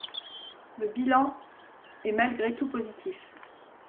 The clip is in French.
Le bilan est malgré tout positif.